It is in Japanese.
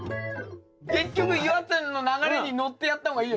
結局夕空ちゃんの流れに乗ってやった方がいいよな。